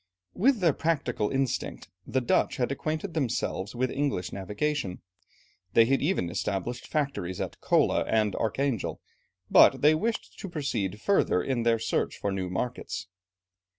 With their practical instinct, the Dutch had acquainted themselves with English navigation. They had even established factories at Kola, and at Archangel, but they wished to proceed further in their search for new markets.